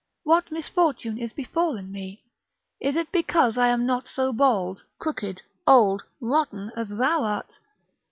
what misfortune is befallen me? Is it because I am not so bald, crooked, old, rotten, as thou art?